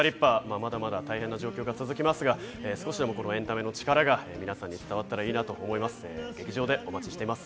まだまだ、大変な状況が続きますが、少しでもエンタメの力が皆さんに伝わったらいいなと思います。